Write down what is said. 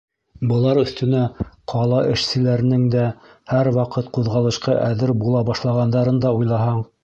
Былар өҫтөнә ҡала эшселәренең дә һәр ваҡыт ҡуҙғалышҡа әҙер була башлағандарын да уйлаһаң...